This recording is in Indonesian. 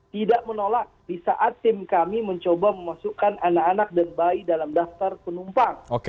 tidak menolak di saat tim kami mencoba memasukkan anak anak dan bayi dalam daftar penumpang